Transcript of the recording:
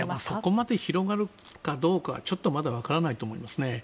そこまで広がるかどうかはちょっとまだわからないと思いますね。